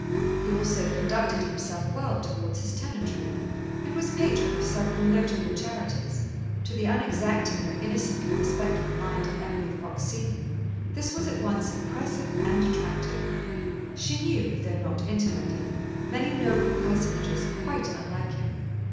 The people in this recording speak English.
He also conducted himself well toward his tenantry, and was patron of several notable charities. To the unexacting and innocently respectful mind of Emily Fox Seton this was at once impressive and attractive. She knew, though not intimately, many noble personages quite unlike him.